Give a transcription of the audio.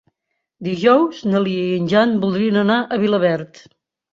Dijous na Lia i en Jan voldrien anar a Vilaverd.